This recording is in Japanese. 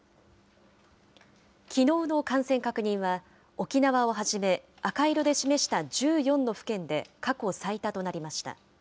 きのうの感染確認は、沖縄をはじめ、赤色で示した１４の府県で過去最多となりました。